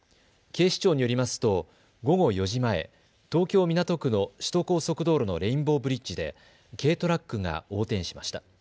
警視庁によりますと午後４時前、東京港区の首都高速道路のレインボーブリッジで軽トラックが横転しました。